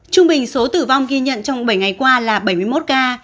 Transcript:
trung bình số tử vong ghi nhận trong bảy ngày qua là bảy mươi một ca